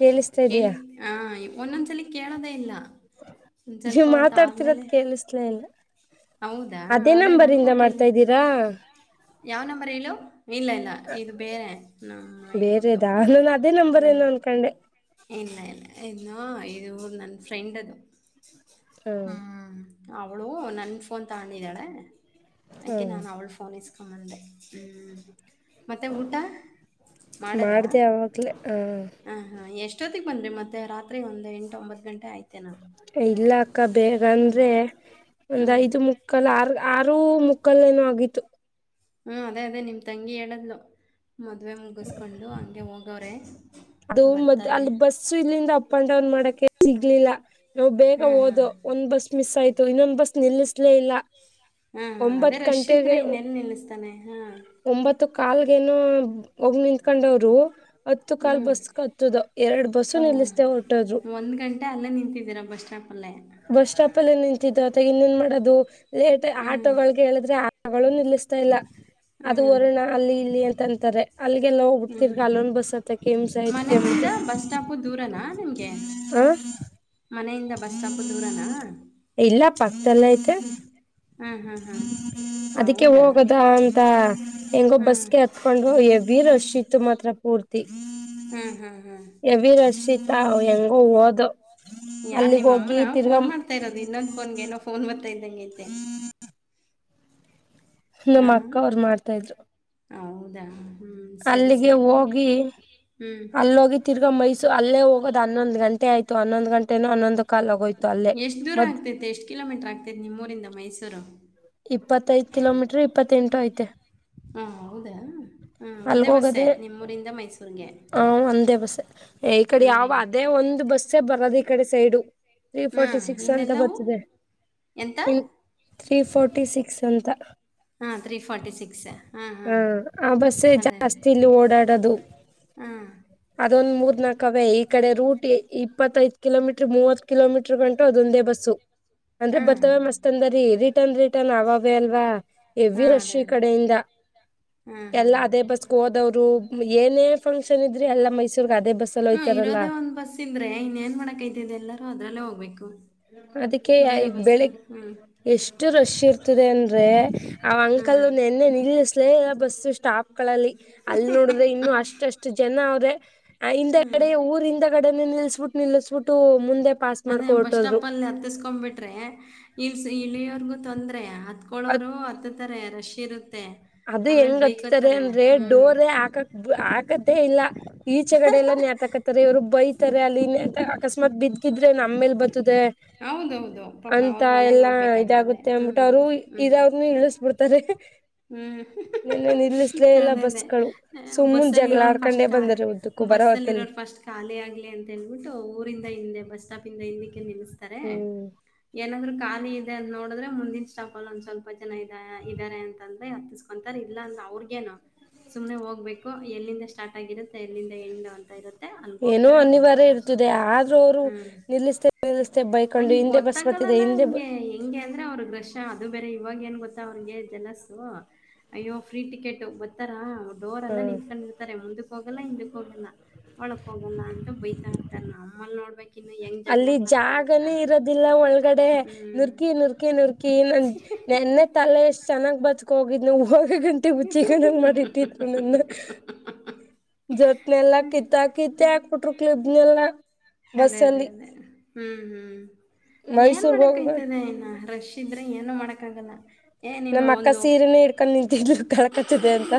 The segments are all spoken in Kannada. ಕೇಳಿಸ್ತಾ ಕೆಳ್ ಇದೀಯಾ ಆ ಒಂದೊಂದ್ಸಲ ಕೇಳೋದೇ ಇಲ್ಲ ಒಂದ್ ಸ್ವಲ್ಪ ನೀವ್ ಹೊತ್ತ ಮಾತಾಡ್ತಿರೋದ್ ಆದ್ಮೇಲೆ ಕೇಳಿಸ್ಲೇ ಇಲ್ಲ ಹೌದಾ ಅದೇ ನಂಬರಿಂದ ನನ್ಗೋ ಕ ಮಾಡ್ತಾ ಇದ್ದೀರಾ ಯಾವ ನಂಬರ್ ಹೇಳಲ್ಲ ಇಲ್ಲ ಇಲ್ಲ ಇದು ಬೇರೆ ನಮ್ಮ ಈ ಊರದು ಬೇರೆದಾ ನಾ ನಾನು ಅದೇ ನಂಬರ್ ಹಾ ಏನೋ ಅನ್ಕೊಂಡೆ ಇಲ್ಲ ಇಲ್ಲ ಇನ್ನು ಇದು ನನ್ನ ಫ್ರೆಂಡದು ಹ್ಮ್ ಅವಳು ನನ್ ಫೋನ್ ತ ಹೊಂಡಿದ್ದಾಳೆ ಅಕ್ಕಿ ಹ್ಮ್ ನಾನ್ ಅವಳು ಫೋನ್ ಇಸ್ ಕಮ್ಮಂದೆ ಹ್ಞ ಮತ್ತೆ ಊಟ ಮಾಡದ್ರ ಮಾಡ್ದೆ ಅವಾಗ್ಲೇ ಹ ಹ ಎಷ್ಟೊತ್ತಿಗೆ ಬನ್ರಿ ಮತ್ತೆ ರಾತ್ರಿ ಒಂದು ಎಂಟು ಒಂಬತ್ತು ಗಂಟೆ ಆಯ್ತು ಇಲ್ಲ ಅಕ್ಕ ಬೇಗ ಅಂದ್ರೆ ಹ್ಞೂ ಒಂದ್ ಹ್ಮ್ ಐದು ಮುಕ್ಕಲ್ ಆರ್ ಯಾರೂ ಮುಕ್ಕಲ್ಲೇನ ಆಗಿತ್ತು ಹ್ಮ್ ಅದೇ ಅದೇ ನಿಮ್ ತಂಗಿ ಹೇಳದ್ಲು ಮದುವೆ ಮುಗಿಸ್ಕೊಂಡು ಹಂಗೆ ಹೋಗೋವ್ರೆ ಅದು ಮ ಅಲ್ಲಿ ಬಸ್ಸು ಇಲ್ಲಿಂದ ಅಪ್ ಅಂಡ್ ಡೌನ್ ಮಾಡಕ ಸಿಗ್ಲಿಲ್ಲ ಹ ನಾವು ಬೇಗ ಹ್ಮ್ ಹ್ಮ್ ಹಓದ ಒಂದ್ ಬಸ್ ಮಿಸ್ ಆಯ್ತು ಇನ್ನೊ ಬಸ್ ನಿಲ್ಲಿಸಲೇ ಇಲ್ಲ ಹಾ ಅದೇ ಒಂಬತ್ ರಶ ಇದ್ರ ಗಂಟೆಗೆ ಇನ್ನೆಲ್ಲ ನಿಲ್ಲಸ್ತಾನೆ ಹಾ ಮ ಕಾಲ್ಗ ಏನ ಒಗ ನಿತ್ಕೊಂಡವ್ರು ಅತ್ತು ಕಲ್ ಹ್ಮ್ ಬಸ್ ಬ ಕತ್ತದ ಎರಡ್ ಬಸ್ಸು ಓ ನಿಲ್ಲಿಸ್ತೇ ಹೊಟದ್ರು ಹಲ್ಲೆ ಬಸ್ ಸ್ಟಾಪ ಅಲ್ಲ ನ್ ನಿಂತಿದ್ದು ಅ ಇನ್ನೇನ್ ಮಾಡೋದು ಇ ಹ್ಮ್ ಆಟೋಗಳಗ್ ಹೇಳಿದ್ರೆ ಮಳು ನಿಲ್ಲಿಸ್ತಾ ಇಲ್ಲ ಅದು ಹ್ಮ್ ವರುಣ ಅಲ್ಲಿ ಇಲ್ಲಿ ಅಂತ ಅಂತಾರೆ ಅಲ್ಲಿಗೆಲ್ಲ ಹ್ಮ್ ಹೋಗ್ಬಿಡ್ತಿರ್ ಕಾಲನ್ ಬಸ್ತ ಕೆಮಸಹಬಟ್ಟ ಮನೆಯಿಂದ ಬಸ್ ಸ್ಟಾಪು ದೂರನಾ ನಿಮ್ಗೆ ಹ ಮನೆಯಿಂದ ಬಸ್ ಸ್ಟಾಪು ದೂರನಾ ಚಲ್ಲ ಐತೆ ಹ್ಮ್ ಹ್ಮ್ ಹ್ಮ್ ಅದಕ್ಕೆ ಹೌದಾ ಹೋಗದ ಅಂತ ಹೆಂಗೊ ಹ್ಮ್ ಬಸ್ಗೆ ಹತ್ಕೊಂಡು ವೀರ ಶತ್ತು ಮಾತ್ರ ಪೂರ್ತಿ ಹ್ಮ್ ಹ್ಮ್ ಹ್ಮ್ ಹೆವಿ ರಶ್ ಇತ್ತ ಹೆವಿ ಓ ಓದು ಯಾರ್ ನಿಮ್ಮ ಅಮ್ಮನ ಫೋನ್ ಮಾಡ್ತಾ ಇರೋದು ಇನ್ನೊಂದು ಫೋನ್ ಏನೋ ಫೋನ್ ಬಂತ್ ಇದ್ದಂಗ ಐತೆ ನಮ್ಮ ಹಾಂ ಅಕ್ಕ ಅವರು ಮಾಡ್ತಾ ಇದ್ರು ಹೌದಾ ಹ್ಞೂ ಸರಿ ಅಲ್ಲಿಗೆ ಸರಿ ಹೋಗಿ ಹ್ಞೂ ಅಲ್ಲೋಗಿ ತಿರ್ಗಾ ಮೈಸೂ ಅಲ್ಲೇ ಹೋಗ ಹನ್ನೊಂದು ಗಂಟೆ ಆಯ್ತು ಹನ್ನೊಂದು ಗಂಟೆನು ಹನ್ನೊಂದು ಕಾಲ್ಏನೋಯ್ತು ಎಷ್ಟು ದೂರ ಆಗ್ತೈತೆ ಎಷ್ಟು ಕಿಲೋಮೀಟ್ರ ಆಗ್ತೈತಿ ನಿಮ್ಮೂರಿಂದ ಮೈಸೂರು ಇಪ್ಪತ್ತೈದು ಕಿಲೋಮೀಟರ್ ಇಪ್ಪತ್ತ ತೆಂಟ ಆಐತೆ [inaudible] ಹಾಂ ಹೌದಾ ಹಾಂ ಒಂದೇ ಬಸ್ಸೇ ಅಲ್ಗೋಗದೆೇ ನಿಮ್ಮೂರಿಂದ ಮೈಸೂರಿಗೆ ಹ- ಒಂದೇ ಬಸ್ಸ ಈ ಕಡೆ ಹ್ಞೂ ಯಾವ ಹ್ಞೂ. ಅದೇ ಒಂದ್ ಬಸ್ಸೇ ಬರದಿ ಇಕಡೆ ಸೈಡು ವಿ ಹಾಂ ಫೋರ್ತಿಸಿಕ್ಸ್ ಅಂತ ಇನ್ನೆಲ್ಲವು ಬರ್ತದೆ ಎಂತ ಇ ತವಿ ಫಾರರ್ಟಿ ಸಿಕ್ಸ್ ಅಂತ ಹಾಂ ತ್ರೀ ಫಾರ್ಟಿ ಸಿಕ್ಸ್ ಹಾಂ ಹ ಹಾಂ ಆ ಬಸ್ಸ ಅದೇ ಅದೇ ಜಾಸ್ತಿ ಇಲ್ಲಿ ಓಡಾಡದು ಹಾಂ ಅದೊಂದ್ ಮೂರು ಮೂರುಣಕವೇ ಈ ಕಡೆ ರೂಟ್ ಇಪ್ಪತ್ತೈದು ಕಿಲೋಮೀಟರ್ ಮೂವತ್ ಕಿಲೋ ಮೀಟರ್ ಗಂಟು ಅದೊಂದೇ ಬಸ್ಸು ಅಂದ್ರೆ ಹಾ. ಬತ್ತವೆ ಮಸ್ತ್ ಅಂದರಿ ರೀ ರಿಟನ್ ರಿಟರ್ನ್ ಅವವೇ ಅಲ್ವಾ ಹಾ ರಶ್ ಈ ಅದೇ ಅದೇ. ಕಡೆಯಿಂದ ಹಾ ಹಾ. ಎಲ್ಲಾ ಅದೇ ಬಸ್ಗೆ ಹೋದವ್ರು ಏನೇ ಫಕ್ಷನ್ ಇದ್ರ ಅಲ್ಲ ಮೈಸೂರ್ಗ ಇದೆ ಬಸ್ಸಲ್ಲಿ ಹ್ಮ ಹೊಯ್ತಾರಲ್ಲ ಇರೋದೇ ಒಂದ್ ಬಸ್ ಇದ್ರೆ ಇನ್ನೇನ್ ಮಾಡಕೈತದೆ ಎಲ್ಲರೂ ಅದ್ರಲ್ಲೇ ಹೋಗ್ಬೇಕು. -ಅದಕ್ಕೆ ಬೇರೆ ಬಸ್ ಬೆಳಗ್ಗೆ ಹ್ಮ್. ಎಷ್ಟು ರಶ್ ಇರ್ತದೆ ಅಂದ್ರೆ ಆ ಕಲ್ಲು ಹ್ಮ್. ನೆನ್ನೆ ನಿಲ್ಸ ಪ್ಲೇ ಎಲ್ಲ ಬಸ್ಸು ಸ್ಟಾಪ್ ಮಕ್ಕಳಲ್ಲಿ ಅಲ್ಲಿ ನೋಡಿದ್ರೆ ಇನ್ನು ಅಷ್ಟಷ್ಟು ಜನ ಅವ್ರೆ ಆ ಹಿಂದೆ ಹ್ಮ್ ಕಡೆ ಊರಿಂದಗಡೆ ನಿಲ್ಸ್ ನಿಲ್ಲಸ್ಬಿಟ್ಟು ನಿಲ್ಲಿಸಸ್ಬಿಟ್ಟು ಮುಂದೆ ಪಾಸ್ ಅದೇ ಮಾಡ್ಕೊ ಬಸ್ ಹೊರ್ಟೋದ್ರು ಸ್ಟಾಪ್ ಅಲ್ಲಿ ಹತ್ತಸ್ಕೊ್ಬಿಟ್ರೆ ಇಲ್ ಇಲ್ಲಿಯವರ್ಗು ತೊಂದ್ರೆಯ ಅದ್ ಹತ್ಕೊಳ್ಳೋರು ಹತ್ತುತ [unintelligible] ರಶ್ ಇರುತ್ತೆ ಅದು ಆಮೇಲೆ ಹೆಂಗ್ ಹತ್ತತಾರೆ ಬೈಕೋತಾರೆ ಅಂದ್ರೆ ಹ್ಮ್ ಡೋರೆ ಹಾಕಕ್ ಹಾಕಕ್ ತ್ತೆ ಇಲ್ಲಾ. ಈಚೆಗಡೆ ಎಲ್ಲನ್ಯಕತ್ತಾರೆ ಇವ್ರು ಬೈಕ್. ಉತ್ತರ ಅಲಿ [inaudible] ಅಕಸ್ಮತ್ ಬಿದ್ದ ಗಿದ್ದ. ದೆ ನಮ್ಮ ಮೇಲೆ ಬತ್ತ. ಹೌದೌದು ಪಾಪ ಅಂತ ಅವ್ರ ಮನೆಗೆ ಎಲ್ಲಾ ಹೋಗ್ಬೇಕಾಗ್ತದೆ ಇದಾಗುತ್ತೆ ಅಂದ್ಬಿಟ್ಟು ಹ್ಮ್ ಅವರು ಹ್ಮ್ ಇದಾದನು ಇಳಿಸಬಿಡ್ತಾರೆ. ಹ್ಮ್. ಹೂ ಹೂ ಅದೇ ಅದೇ ಬಸ್ಗಳು ಸುಮ್ಮನ್ ಬಸ್ಸಲ್ಲಿ ಜಗಳ ಇರೋರು ಫಸ್ಟ್ ಆಡ್ಕೊಂಡೇ ಖಾ ಬಂದರೆ ಉದ್ದಕ್ಕೂ ಬರೋ ಬಸ್ಸಲ್ಲಿ ಹೊತ್ತಲ್ಲಿ ಇರೋರು ಫಸ್ಟ್ ಖಾಲಿ ಆಗ್ಲಿ ಅಂತ ಹೇಳ್ಬಿಟ್ಟು ಊರಿಂದ ಹಿಂದೆ. ಬಸ್ಟಾಪ್ದಿಂದ. ನಿಲ್ಸಿತಾರೆ ಏನ ಅದ್ರೂ. ಖಾಲಿ ಇದೆ ಅಂತ್ ನೋಡಿದ್ರೆ ಮುಂದಿನ ಸ್ಟಾಪಲ್ ಒಂದ ಸ್ವಲ್ಪ ಜನ ಇದ ಇದಾರೆ ಅ. ಅಂದ್ರೆ ಹತ್ತಸ್ಕೊಂತಾರೆ ಇಲ್ಲ ಅಂದ್ರ ಅವ್ರಗೇನು ಸುಮ್ನೆ ಹೋಗ್ಬೇಕು ಎಲ್ಲಿಂದ ಸ್ಟಾರ್ಟ್ ಆಗಿರುತ್ತೆ ಎಲ್ಲಿಂದ ಎಂಡ್ ಅಂತ ಇರುತ್ತೆ. ಅಲ್ಗ ಏನೋ ಹೋಗ್ತಾರೆ ಬರ್ತಾರೆ ಅನಿವಾರ್ಯ ಅಷ್ಟೇ ಇರ್ತದೆ ಆದ್ರೂ ಅವರು ಹ್ಮ್ ನಿಲ್ಲಿಸ್ತೆ ನಿಲ್ಲಿಸ್ತೆ ಹ ಬೈಕೊಂಡು ಹಿಂದೆ ಬಸ್ ಬರ್ತಿದೆ ಗೊತ್ತಾಗಲ್ಲಲ್ಲ ಹಿಂದೆ ಹಂಗೆ ಹೆಂಗೆ ಅಂದ್ರೆ ಅವ್ರ ರಷ್ ಅದು ಬೇರೆ. ಇವಾಗ ಏನ್ ಗೊತ್ತಾ ಅವ್ರಿಗೆ ಜಲಸ್. ಅಯ್ಯೋ ಫ್ರೀ ಟಿಕೆಟು ಬರ್ತಾರಾ. ಡೋರಲ್ಲೆ ಹ್ಮ್ ನಿಂತ್ಕೊಂಡಿರ್ತಾರೆ ಮುಂದಕ್ಕೆ ಹೋಗ. ಇಲ್ಲ ಹಿಂದಕೋಗಲ್ಲ. ಒಳಕ್ ಹೋಗಲ್ಲ ಅಂತ ಬೈತಾ ಇರ್ತಾರೆ ನಾವು. ಲ್ನೋಡ್ಬೇಕು. ಅಲ್ಲಿ ಜಾಗನೇ ಇರೋದಿಲ್ಲ ಒಳಗಡೆ ಹ್ಮ್ ನುರ್ಕಿ ನುರ್ಕಿ ನುರ್ಕಿ ನನ್ ನೆನ್ನೆ ತಲೆ ಎಷ್ಟ್ ಚೆನ್ನಾಗ್ ಬಾಚ್. ಕೋಗಿದ್ನೋ ನವು. ಗಂಟೆ ಹುಚ್ಚಿಗನಂಗ್ ಮಾಡಿ ಇಟ್ಟಿದ್ರು ನನ್ನ. ಜೋತ್ನೆಲ್ಲ ಕಿತ್ತಕ್ ಕಿತ್ಕಕ. ಕೊಟ್ರುಕ್ದ ಎದ್ದಲ. ಅದೇ ಅದೇ ಅದೇ ಹ್ಮ್ ಹ್ಮ್. ಹ್ಮ್. ಏನ್ ಮೈಸೂರ್ಗ್ ಹೋಗ ಮಾಡಕಾಯ್ತದೇ ಇನ್ನ ರಷ್. ಿದ್ರೆ ಏನು ಮಾಡಕ್ಕಾಗಲ್ಲ. ಏ ನೀನು ನಮ್ಮ ಅಕ್ಕ ಒಂದು ಸೀರೆನೆ ಇಡ್ಕೊಂಡ್ ನಿಂತಿದ್ಲು ಕಲ್. ಕಚ್ಚಿದೆ ಅಂತ.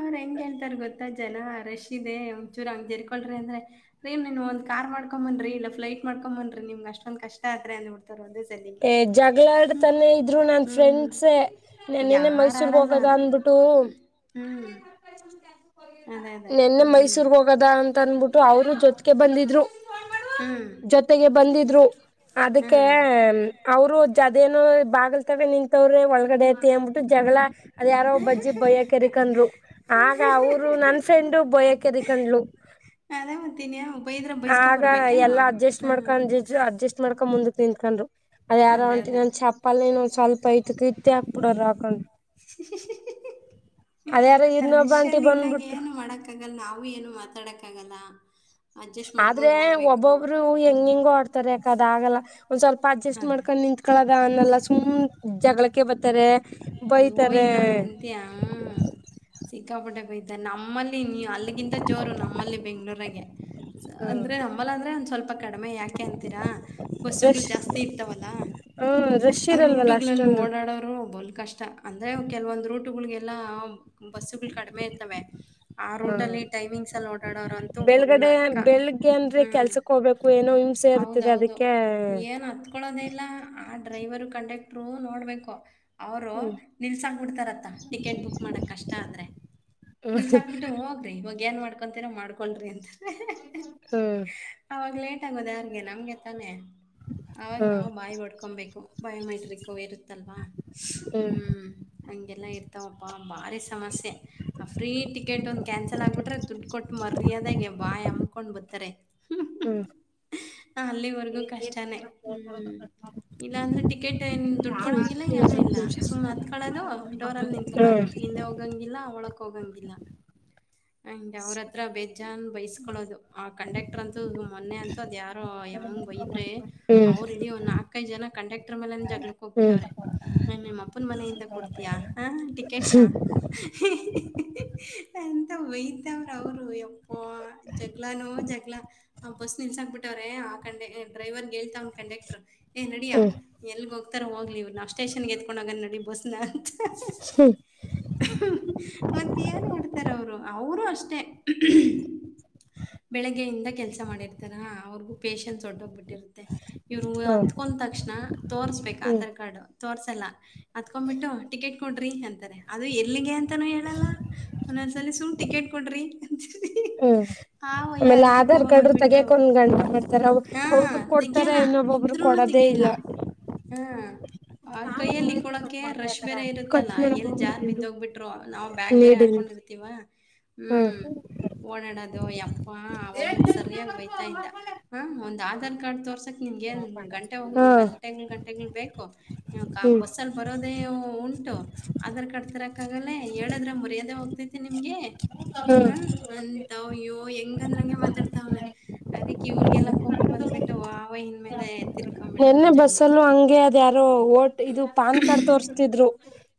ಅವ್ರ ಹೆಂಗ್ ಕೇಳ್ತಾರ ಗೊತ್ತ ಜನ ರಶ್ ಇದೆ ಚೂರ್ ಹಂಗ ಜರ್ಕೊಳಿ ಅಂದ್ರ ರೀ ನೀನ್ ಒಂದ ಕಾರ್ ಮಾಡ್ಕೊಂಡ ಬನ್ರಿ ಇಲ್ಲ ಫ್ಲೈಟ್ ಮಾಡ್ಕೊಂಡ್ ಬನ್ರಿ ನಿಮ್ಗೆ ಅಷ್ಟೊಂದ್ ಕಷ್ಟ ಆದ್ರೆ ಅಂದ್ ಬಿಡ್ತಾರ್ ಒಂದ್. ಏ ಜಗಳಾಡತಾನೆ ಇದ್ರು ನನ್ ಹ್ಮ್ ಫ್ರೆಂಡ್ಸ ನೆನ್ನೆ ನೆ ಯಾರ ಮೈಸೂರ್ಗ್ ಆಡಲ್ಲ ಹೋಗದ ಅಂದಬಿಟ್ಟು. ಹ್ಮ್ [inaudible] ಅದೇ ಅದೇ ನೆನ್ನೆ ಹ್ಮ್ ಮೈಸೂರ್ ಹೋಗದ ಅಂತ ಅನ್ಬಿಟ್ಟು ಅವರು ಜೊತೆಗೆ ಬಂದಿದ್ರು. ಹ್ಮ್ ಜೊತೆಗೆ ಬಂದಿದ್ರು. ಅದಕ್ಕೆ ಹ್ಮ್ ಅವರು. ಅದೇನ ಬಾಗಲ್ತಗ ನಿಂತವ್ರೆ ಒಳಗಡೆ ಐತಿ ಅಂದಬಿಟ್ಟು ಜಗಳ. ಅದ ಯಾರೋ ಬಜ್ಜಿ ಬಯ್ಯ ಕೆರಿಕನ್ರು ಆಗ ಅವರು ನನ್. ಫ್ರೆಂಡು ಬಯಕ್ಕೆದ್ರಕೊಂಡ್ಲು. ಅದೇ ಮತ್ತೀನಿ ಬೈದ್ರ ಬೈಸ್ಕೊಂಡ್ ಆಗ ಬರ್ಬೇಕೇನು ಎಲ್ಲ ಅಡ್ಜಸ್ಟ್ ಹ್ಮ್ ಮಾಡ್ಕೊಂಡಜಿಜ್ಜು ಅಡ್ಜಸ್ಟ್. ಮಾಡ್ಕೊ ಮುಂದಕ್ ನಿಂತ್ಕೊಂಡ್ರು. ಅದ ಯಾರ ಅದೇ ಅದೇ ಹೊಂಟಿಲೆನು ಚಪ್ಪಾಲ ನೀನು. ಸ್ವಲ್ಪ ಐತ ಕಿತ್ತ ಹಾಕ್ಬಿಡು ಅದು ಹಾಕೊಂಡ. ಹ [unintelligible] ಅದ್ಯಾರೋ ಇನ್ನೊಬ್ಬ ಆಂಟಿ ರಷ್ಯಲ್ಲಿದ್ದಾಗ ಬಂದ್ಬಿಟ್ಟು ಏನು ಮಾಡಕ್ಕ ಆಗಲ್ಲ ನಾವು ಏನು ಮಾತಾಡಕ್ಕ ಆಗಲ್ಲ. ಆದ್ರೆ ಒಬ್ಬೊಬ್ರು ಹೆಂಗ ಹೆಂಗ ಆಡ್ತಾರೆ ಯಾಕದ ಆಗಲ್ಲ ಒಂದ್ ಸ್ವಲ್ಪ ಹ ಅಡ್ಜಸ್ಟ್ ಮಾಡ್ಕೊಂಡ್ ನಿತ್ಕಳದ. ಲ್ಲ ಸುಮ್ ಜಗಳಕ ಕೆ ಬರ್ತಾರೆ ಅಯ್ಯೋ ಬೈತಾರೆ. ಇನ್ನೂ ಹಂಗಂತೀಯ ಸಿಕ್ಕಾಪಟ್ಟೆ ಬಯ್ತಾನೆ ನಮ್ಮಲ್ಲಿ. ನೀ ಅಲ್ಲಿಗಿಂತ ಜೋರು ನಮ್ಮಲ್ಲಿ ಬೆಂಗಳೂರಗೆ ಹ್ಮ್ ಅಂದ್ರೆ ನಮ್ಮಲ್ಲಿ ಅಂದ್ರೆ ಒಂದ ಸ್ವಲ್ಪ ಕಡಿಮೆ ಯಾಕೆ ಅಂತೀರಾ ಬಸ್ಸುಗಳು ರಶ್ ಜಾಸ್ತಿ ಇರ್ತಾವಲ್ಲ ಹ್ಮ್ ರಶ್ ಇರಲ್ವಲ್ಲ ರೂಟುಗಳಲ್ಲಿ ಅಷ್ಟೊಂದು ಓಡಾಡೋ. ಬಲ್ ಕಷ್ಟ ಅಂದರೆ ಕೆಲವೊಂದು ರೂಟುಗಳಿಗೆಲ್ಲ. ಬಸ್ಗಳು ಕಡಿಮೆ ಇರ್ತವೆ ಆ ಹ ರೂಟ ಅಲ್ಲಿ ಟೈಮಿಂಗ್ಸ್ ಅಲ್ಲಿ ಓಡಾಡೋರ ಅಂತೂ ಬಲ್ ಬೆಳಗಡೆ ನರ್ಕ ಬೆಳಿಗ್ಗೆ ಅಂದ್ರೆ ಹ್ಮ್ ಕೆಲ್ಸಕ್ ಹೋಗ್ಬೇಕು ಏನೋ ಹಿಂಸೆ ಇರ್ತದೆ ಹೌದೌದು ಅದಕ್ಕೆ ಏನ್ ಹತ್ಕೊಳ್ಳೋದೆ ಇಲ್ಲ. ಡ್ರೈವರು ಕಂಡಕ್ಟ್ರು ನೋಡ್ಬೇಕು. ಅವರು ಹ್ಮ್ ನಿಲ್ಸಾಕ ಬಿಡ್ತಾರತ್ತ ಟಿಕೆಟ್ ಬುಕ್ ಮಾಡಕ್ ಕಷ್ಟ ಆದ್ರೆ ಹ್ಮ್ ನಿಲ್ಸಾಕ್ ಬಿಟ್ಟು ಹೋಗ್ರಿ ಇವಾಗ ಏನ್ ಮಾಡ ಮಾಡ್ಕೊಂತೀರ ಮಾಡ್ಕೊಳ್ರಿ ಅಂತ. ಹ್ಮ್ ಟ ಆಗೋದ್ಯಾರ್ಗೆ ನಮ್ಗೆತ್ತಾನೆ. ಅವಾಗ ಹ್ಮ್ ನಾವ ಬಾಯಿ ಬಡ್ಕೊಂಬೇಕು ಬಾಯಿ ಮಾಡಿದ್ರ. ಯರುತ್ತಲ್ವಾ [unintelligible] ಹ್ಮ್ ಹಂಗೆಲ್ಲಾ ಇರ್ತಾವಪ್ಪಾ ಭಾರಿ ಸಮಸ್ಯೆ ಆ ಫ್ರೀ ಟಿಕೆಟ್ ಒಂದ್ ಕ್ಯಾನ್ಸಲ್ ಆಗ್ಬಿಟ್ರೆ ದುಡ್ಡು ಕೊಟ್ಟ ಮರ್ಯದ್ಯಾಗಿ ಬಾಯಿ ಅಮಕೊಂಡ್ ಬತಾರೆ. ಹ್ಮ್ ಹ ಅಲ್ಲಿವರೆಗೂ ಕಷ್ಟಾನೇ. ಹ್ಮ್ ಇಲ್ಲಾಂದ್ರೆ ಟಿಕೆಟ್. ಟೆನ್ ದುಡ್ಕೋಡಂಗಿಲ್ಲ. ಹ್ಮ್ ಏನು ಇಲ್ಲ ಹ್ಮ್ ಸುಮ್ ಹತ್ಕಳೋದು ಡೋರ್ ಅಲ್ಲಿ ನಿಂತ್ಕೊಳ್ಳೋದು ಹಿಂದೆ ಹೋಗಂಗಿಲ್ಲ ಒಳಗ್ ಹೋಗಂಗಿಲ್ಲ ಹಂಗೆ ಅವ್ರ ಹತ್ರ ಬೇಜನ್ ಬೈಸ್ಕೊಳ್ಳೋದು ಆ ಕಂಡಕ್ಟರ್ ಅಂತೂ ಮೊನ್ನೆ ಅಂತೂ ಅದ ಯಾರೋ ಎಮ್ಮಂಗ ಬೈ ಆದ್ರೆ ಹ್ಮ್ ಅವ್ರ ಇಡೀ ಒನ್ನಾಕ ಕೈ ಜನ ಕಂಡಕ್ಟರ್ ಮೇಲೇನೆ ಜಗಳಕ್ಕ ಹೋಗ್ಬಿಟ್ಟವ್ರೆ. ಏನ್ ನಿಮ್ಮ ಅಪ್ಪನ ಮನೆಯಿಂದ ಕೊಡ್ತೀಯಾ ಹ. ಟಿಕೆಟ್ ನಾ. ಅಂತ ವೈ ಅವ್ರ ಅವ್ರು ಯಪ್ಪೋ ಜಗ್ಲಾನೊ ಜಗ್ಲಾ ಆ ಬಸ್ ನಿಲ್ಸಕ್ ಬಿಟ್ಟ ರೆ ಆ ಕಂಡಕ್ಟ ಏ ಡ್ರೈವರ್ ಹೇಳ್ತಾವ ಕಂಡಕ್ಟರ್ ಏ ನಡಿಯಾ ಹ್ಮ್ ಎಲ್ಗ ಹೋಗ ತ್ತರ ಹೋಗ್ಲಿ ಇವ್ರನಷ್ಟ ಸ್ಟೇಷನ್ಗೆ ಎತ್ಕೊಂಡ ಹೋಗೋನ ನಡಿ ಬಸ್ನ ಅಂತ ಮತ್ತೆ ಏನ್ ಮಾಡ್ತಾರ ಅವರು ಅವರು ಅಷ್ಟೇ [unintelligible] ಬೆಳಗ್ಗೆಯಿಂದ ಕೆಲಸ ಮಾಡಿರ್ತಾರ ಅವ್ರಗೂ ಪೇಶನ್ಸ್ ಒಟ್ಟೊಗ ಬಿಟ್ಟ ಇರುತ್ತೆ ಇವ್ರು ಹ್ಮ್ ಹತ್ತ್ಕೊಂಡ್ ತಕ್ಷಣ ತೋರ್ಸ್ಬೇಕ ಆಧಾರ್ ಕಾರ್ಡ್ ತೋರ್ಸಲ್ಲ ಹತ್ಕೊಬಿಟ್ಟು ಟಿಕೆಟ್ ಕೊಡ್ರಿ ಅಂತಾರೆ ಅದು ಎಲ್ಲಿಗೆ ಅಂತ ತನು ಹೇಳಲ್ಲ. ಒಂದೊಂದ್ಸಲಿ ಸುಮ್ ಟಿಕೆಟ್ ಕೊಡ್ರಿ. ಅಂತೀರಿ ಹ್ಮ್ ಆ ವಯ್ಯ ಆಮೇಲೆ ಅದಕ್ಕೆ ಆಧಾರ್ ಕೋಪ ಕಾರ್ಡ್ ಬಂದ್ಬಿಟ್ಟು ತೆಗ್ಯಕ್ಕೆ ಒಂದ್ ಗಂಟೆ ಮಾಡ್ತಾರೆ ಹಾ ಒಬ್ಬರು ಕೊಡ್ತಾರೆ ತೆಗಿಯಲ್ಲ ಇನ್ನೊಬ್ಬೊಬರು ಇದ್ರೂನು ಕೊಡೋದೇ ತೆಗಿಯಲ್ಲ. ಇಲ್ಲ. ಹಾ ಆ ಕೈಯಲ್ಲಿ ಕೊಳಕೆ ರಶ್ ಬೇರೆ ಕಟ್ ಇರುತ್ತಲ್ಲಾ ಮಾಡಕ್ ಎಲ್ ಹೋಗ್ಬೇಡ ಜಾರ್ ಇವ್ರು ಬಿದ್ದೋಗ್ಬಿಟ್ರು ನಾವ ಬ್ಯಾಗ್ ಬೇರೆ ನೀಡಿಲ್ಲ ಹಾಕೊಂಡಿರ್ತೀವ ಹ್ಮ್ ಓಡಾಡದು ಯಪ್ಪಾ ಅವಮ್ಮಂಗ ಸರಿಯಾಗಿ ಬೈತಾ ಇದ್ದ ಆ ಒಂದ ಆಧಾರ್ ಕಾರ್ಡ್ ತೋರಿಸ ನಿನ್ ಏನ್ ಗಂಟೆ ಹಾ ಗಂಟೆ ಗಂಟೆಗಳ ಬೇಕು. ಹ್ಮ್ ಬಸ್ಸಲ್ಲಿ ಬರೋದೇ ಉಂಟು ಆಧಾರ್ ಕಾರ್ಡ್ ಯಕ್ಕಾಗಲ್ಲ ಹೇಳಿದ್ರೆ ಮರ್ಯಾದೆ ಹೋಗ್ತೈತೆ ನಿಮ್ಗೆ. ಹ್ಮ್ ಹಾ ಅಂತವಯ್ಯೋ ಹೆಂಗಂದ್ರಂಗೆ ಮಾತಾಡ್ತಾವನೆ ಅದಕ್ ಇವ್ರಿಗೆಲ್ಲ ಕೋಪ ಬಂದ್ಬಿಟ್ಟು ಆ ವಯ್ಯನ ಮೇಲೆ ತೀರ್ಕೊಂಬಿಟ್ರೂ ನಿನ್ನೆ ಜಗ್ಳಕ್ಕೆ. ಬಸ್ಸಲ್ಲೂ ಹಂಗೆ ಅದ ಯಾರೋ ಇದು ಪಾನ್ ಕಾರ್ಡ್ ತೋರ್ಸ್ತಿದ್ರು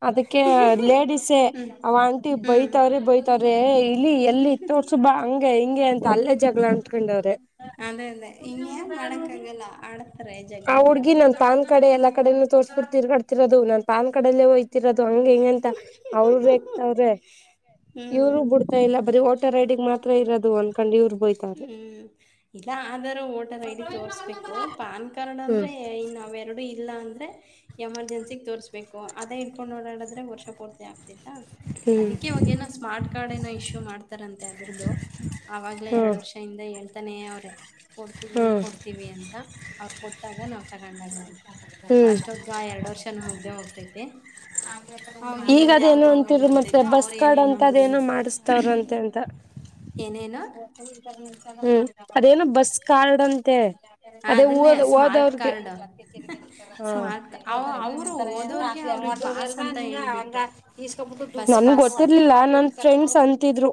ಅದಕ್ಕೆ ಲೇಡಿಸೇ ಹ್ಮ್. ಅವ ಆಂಟಿ ಹ್ಮ್. ಬೈತಾವ್ರೆ ಬೈತ [unintelligible] ಇಲ್ಲಿ ಎಲ್ಲಿ ತೋರ್ಸು ಬಾ ಹಂಗೆ ಹಿಂಗೆ ಹಂಗೆ ಅಂತ ಅಲ್ಲೇ ಜಗಳ ಅಂಟ್ಕೊಂಡವ್ರೆ ಅದೇ ಅದೇ ಇನ್ಯಾನ್ ಮಾಡಕ್ಕಾಗಲ್ಲ ಆಡ್ತಾರೆ ಆ ಜಗ್ಳಗಳು. ಹುಡ್ಗಿ ನನ್ ಪಾನ್ ಕಡೆ ಎಲ್ಲಾ ಕಡೆನುೂ ತೋರ್ಸ್ಬಿಡ್ ತಿರ್ಗಾಡ್ತಿರೋದು ಹೌ ನ [unintelligible] ಪಾನ್ ಕಡಲ್ಲೇ ಹೋಯ್ತಿರದು ಹಂಗ ಹೆಂಗಂತ ಅವ್ರರು ಹತಾವ್ರೆ ಇವರು ಬಿಡ್ತಾ ಇಲ್ಲ ಬರಿ ರೈಡಿಂಗ್ ಮಾತ್ರ ಇರೋದು ಅನ್ಕೊಂಡು ಇವ್ ಹ್ಮ್ ಇಲ್ಲ ಆಧಾರ್ ವೋಟರ್ ಐ ಡಿ ತೋರ್ಸ್ಬೇಕು ಪಾನ್ ಕಾರ್ಡ್ ಹ್ಮ್ ಅಂದ್ರೆ ಇನ್ವ್ರಡು ಇಲ್ಲ ಅ ಎಮರ್ಜನ್ಸಿಗ್ ತೋರ್್ಬೇಕು ಅದೇ ಇಂಕೊಂಡು ನೋಡಾಡಿದ್ರೆ ವರ್ಷ ಪೂರ್ತಿ ಆಗ್ತತಿ [unintelligible] ಹ್ಮ್ ಅದಕ್ಕೆ ಅವವಾಗೇಏನೋ ಸ್ಮಾರ್ಟ್ ಕಾರ್ಡ್ ಏನೋ ಇಶ್ಯೂ ಮಾಡ್ತಾರಂತೆ ಅದ್ರದ್ದು ಆಾಗ್ಲ ಹ್ಮ್ ಎರಡು ಇಂದ ಹೇಳ್ತಾನೆ ಅವ್ರೆ ಕೊಡ್ತೀವಿ ಹ್ಮ್ ಕೊಡ್ತೀವಿ ಅಂತ ಅವ್ರ ಕೊ ಗ ನಾವ್ ತಗೊಂಡಾಗ ಅಂತ ಹ್ಮ್ ಅಷ್ಟೊದ್ಗ ಎರಡ್ ವರ್ಷ ನ ಮುಗ್ದೆ ಹೋಗ್ತೈತೆ ಅವಾಗ ಇನ್ನೊಂದ್ ಯಾವ ಈಗದೇನು ಗೌರ್ಮೆಂಟ್ ಅಂತರು ಮತ್ತೆ ಬರ್ತೈತೋ ಬಸ್ ಅವ್ರ ಏನ್ ಕಡ್ ಇನ್ನೊಂದ್ ಅಂತದ ರೂಲ್ ಏನು ಮಾಡಿಸತಾವ್ರಂತೆ ಎಂತ ಏನೇನು ಹ್ಮ್ ಅದೇನ ಬಸ್ ಕಾರ್ಡ್ಂತೆ ಅದೇ ಅದನ್ನೇ ಹಓದ ಸ್ಮಾರ್ಟ್ ಹೋದವ್ರಿಗೆ ಕಾರ್ಡ್ ಹ ಸ್ಮಾರ್ಟ್ ಅವ ಅವರು ಓದೋರ್ಗೆ ಅವ್ರಿಗೆ ಪಾಸ್ ಅಂತ ಹೇಳ್ಬಿಟ್ಟು [unintelligible] ಬಸ್ ನನ್ಗೆ ಪಾಸ್ ಗೊತ್ತಿರ್ಲಿಲ್ಲ ನ ಫ್ರೆಂಡ್ಸ್ ಅಂತ ಇದ್ರು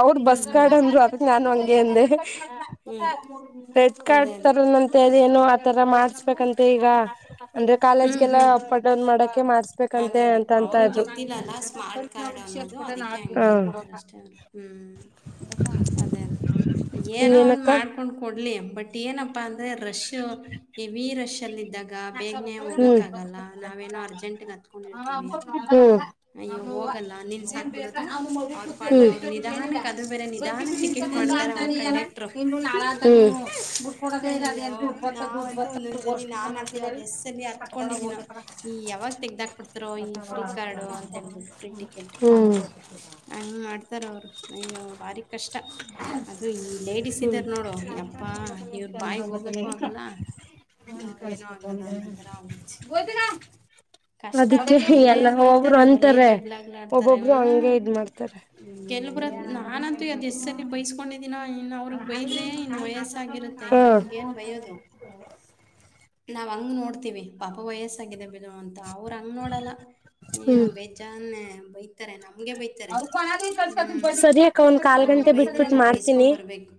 ಅವ್ರ ಹ್ಮ್ ಬಸ್ ಹ್ಮ್ ಕಾರ್ಡ್ ಅಂದ್ರು ಅದ ನಾನು ಹಂಗಗೆ ಅಂದೆ ಹ್ಮ್ ರೆಡ್ ಕಾರ್ಡ್ ಅದೇ ಅದೇ ತರಂತ ಹೇಳ ಏನು ಈ ತರ ಮಾಡ್ಸ್ಬೇಕಂತೆ ಈಗ ಅಂದ್ರೆ ಹ್ಮ್ ಕಾಲೇಜ್ಗೆಲ್ಲ ಹ್ಮ್ ಅಪ್ಪಡೌನ್ ಮಾಡಕೆ ಮಾರ್ ಅದೇ ಅದೇ ಅವ್ರಿಗೆ ಗೊತ್ತಿಲ್ಲಲ್ಲ ಸ್ಮಾರ್ಟ್ ಕಾರ್ಡ್ ಅನ್ನೋದು ಅದಕ್ಕೆ ಹಂಗೆ ಹಾ ಹೇಳಿರ್ತಾರ ಅಷ್ಟೇ ಅವರು ಹ್ಮ್ ಅದೇ ಅದೇ ಏನೋ ಒಂದು ಇನ್ನೇನಕ್ಕ ಮಾಡ್ಕೊಂಡು ಕೊಡ್ಲಿ ಬಟ್ ಏನಪ್ಪ ಅ ರಶ್ಯಾ ಎವಿ ರಷ್ಯಾ ಚಲಿ ಇದಾಗ ಬೇಗನೆ ಹೋಗಕ್ಕ ಆಗಲ್ಲ ನಾವೇನೋ ಅರ್ಜೆಂಟ್ತ್ತ ಹನ್ ಹೋಗಲ್ಲ ನಿಲ್ಸಾಕ್ಬಿಡೋದು. ಅವ್ರ ಪಾಡ್ಗೆ ಅವ್ರು ನಿಧಾನಕ್ಕೆ ಅದು ಬೇರೆ ನಿಧಾನಕ್ಕೆ ಟಿಕೆಟ್ ಮಾಡ್ತಾರೆ ಅವ್ರ ಕಂಡಕ್ಟ್ರು. ಇ ನಾಳಕ ಅಯ್ಯೋ! ಇ ದುಡ್ ಬತ್ತ ದುಡ್ ಬರ್ಷಿಂದ ಮಾಡ [unintelligible] ಅದ ಹೆಸ್ಸಲ್ಲಿ ಹತ್ಕೊಂಡಿದೀನ ಈ ಯಾವಾಗ ತೆಗ ದಕ್ ಈ ಫ್ರೀ ಕಾರ್ಡ್ ಅಂತ ಹೇಳ್ಬಿಟ್ಟು ಫ್ರೀ ಟಿಕೆಟ್ ಹ್ಮ್ ಹಂಗ ಮಾಡ್ತಾರ ಅವ ಅಯ್ಯೋ ಬಾರಕ್ ಕಷ್ಟ ಅದು ಈ ಲೇಡಿಸಸ್ ಹ್ಮ್ ಇದ್ದಾರ ನೋಡು ಯಪ್ಪಾ ಇವ್ರ ಬಾಯ್ಿಗೆ ಹೋಗಕ್ಕೂ ಆಗಲ್ಲ ನಾವೇಏನೋ ಆಗಲ್ಲ ಅನ್ನೋ ತರ ಆಗುತ್ತೆ ಕಷ್ಟ ಅದಕ್ಕೆ ಬಲೇ ಎಲ್ಲ ಒಬ್ರು ಬೈತಾರೆ ಬಲೇ ಅಂತಾರೆ ಜಗಳಾಗ್ಲಾಡ್ತಾರೆ ಒಬ್ಬೊಬ್ರು ಹಂಗಗೆ ಹ್ಮ್ ಇದ ಮಾಡ್ತಾರೆ. ಬೈಸ್ಕೊಂಡ. ದಿನ ಇನ್ ಅವ್ರಗ್ ಬೈದ್ರೆ ಇನ್ ವಯಸ್ಸಾಗಿರುತ್ತೆ ಹ ಇನ್ನು ಅವ್ರಗ ಏನ್ ಬಯೋದು. ನಾವು ಹಂಗ ನೋಡ್. ಪಾಪ ವಯಸ್ಸಾಗಿದೆ ಬಿ. ಅದು ಅವರು ಹಂಗೆ ನೋಡಲ್ಲ ನೀ ಬೇಜನ್. ಬೈತಾರೆ ನ. ಸರಿಯಕ ಒಂದ್ ಕಾಲ್ ಅವ್ರು ಗಂಟೆ ಬೈದರೆ ಬಿಟ್ಬಿಟ್ಟ ನಾವು ಮಾಡ್ತೀನಿ. ಬೈಸ್ಕೊಂಬರ್ಬೇಕು